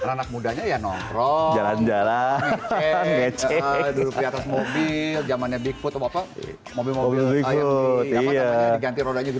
anak mudanya yang nongkrong jalan jalan mecek jaman jaman